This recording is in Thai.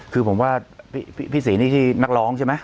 คือผมว่าพี่ศรีนี่คือนักร้องใช่ไหม